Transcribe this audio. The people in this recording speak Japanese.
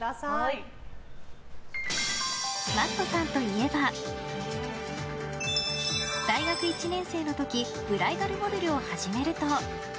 Ｍａｔｔさんといえば大学１年生の時ブライダルモデルを始めると。